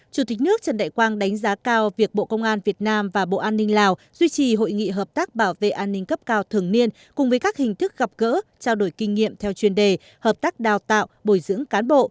chủ tịch nước trần đại quang đánh giá cao việc bộ công an việt nam và bộ an ninh lào duy trì hội nghị hợp tác bảo vệ an ninh cấp cao thường niên cùng với các hình thức gặp gỡ trao đổi kinh nghiệm theo chuyên đề hợp tác đào tạo bồi dưỡng cán bộ